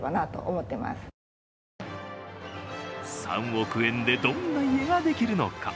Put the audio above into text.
３億円でどんな家ができるのか。